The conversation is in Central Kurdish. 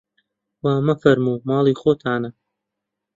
وا مەفەرموو ماڵی خۆتانە